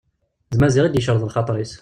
D Maziɣ i d-yecreḍ lxaṭer-is.